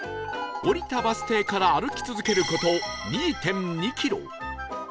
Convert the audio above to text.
降りたバス停から歩き続ける事 ２．２ キロ